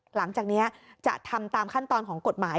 หลังจากนี้จะทำตามขั้นตอนของกฎหมาย